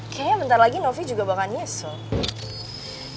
kayaknya bentar lagi novi juga bakal nyesel